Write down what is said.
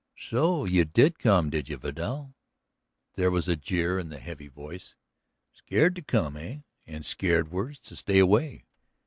"So you came, did you, Vidal?" There was a jeer in the heavy voice. "Scared to come, eh? And scared worse to stay away!"